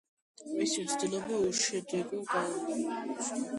მისი მცდელობა უშედეგო აღმოჩნდა.